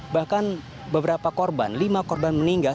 bahkan beberapa korban lima korban meninggal